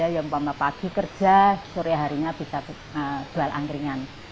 yang pambah pagi kerja sore harinya bisa jual angkringan